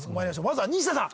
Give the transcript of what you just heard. まずは西田さん。